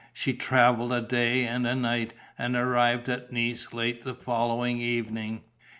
She travelled a day and a night and arrived at Nice late the following evening.